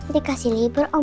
dikasih libur sama gua